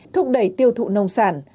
thúc đẩy tiêu thụ nông sản